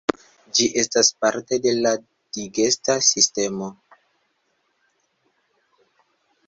Ĝi estas parte de la digesta sistemo.